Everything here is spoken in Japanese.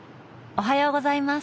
おはようございます。